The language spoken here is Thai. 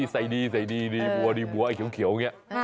ใส่นี่ใส่นี่หมัวนี้หมัวไอ้เขียวเนี่ย